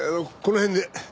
この辺で。